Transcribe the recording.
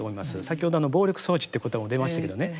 先ほど暴力装置ってことも出ましたけどね